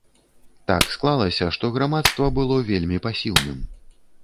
Так склалася, што грамадства было вельмі пасіўным.